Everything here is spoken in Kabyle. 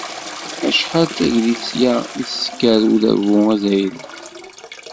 Acḥal d taglisya i isekkeṛ Udabu azzayri!